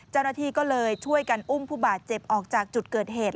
เจ้าหน้าที่ก็เลยช่วยกันอุ้มผู้บาดเจ็บออกจากจุดเกิดเหตุ